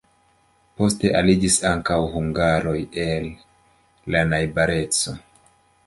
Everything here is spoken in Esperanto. Poste aliĝis ankaŭ hungaroj el la najbareco.